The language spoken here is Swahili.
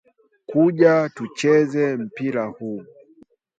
Kuja tucheze mpira huu